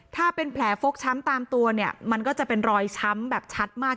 ถ้าเป็นแผลฟกช้ำตามตัวเนี่ยมันก็จะเป็นรอยช้ำแบบชัดมาก